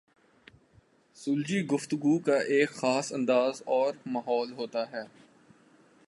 سلجھی گفتگو کا ایک خاص انداز اور ماحول ہوتا ہے۔